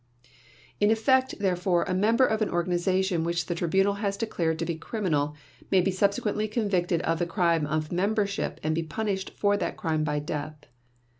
In effect, therefore, a member of an organization which the Tribunal has declared to be criminal may be subsequently convicted of the crime of membership and be punished for that crime by death.